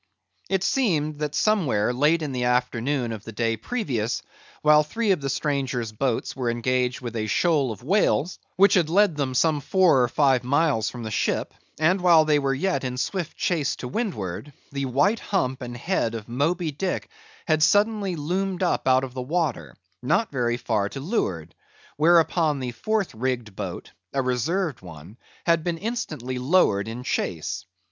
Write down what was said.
It seemed that somewhat late on the afternoon of the day previous, while three of the stranger's boats were engaged with a shoal of whales, which had led them some four or five miles from the ship; and while they were yet in swift chase to windward, the white hump and head of Moby Dick had suddenly loomed up out of the water, not very far to leeward; whereupon, the fourth rigged boat—a reserved one—had been instantly lowered in chase.